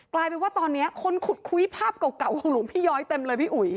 กลายเป็นว่าตอนนี้คนขุดคุยภาพเก่าของหลวงพี่ย้อยเต็มเลยพี่อุ๋ย